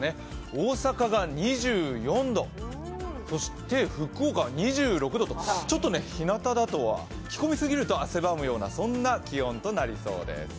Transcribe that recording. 大阪が２４度、そして福岡は２６度とちょっとひなただと着込みすぎると汗ばむような気温です。